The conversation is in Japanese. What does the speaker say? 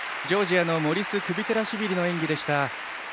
ジョージアのモリス・クビテラシビリの演技でした。